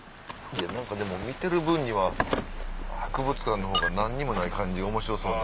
何かでも見てる分には博物館のほうが何にもない感じが面白そう。